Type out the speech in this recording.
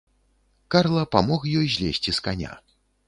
Карла памог ёй злезці з каня.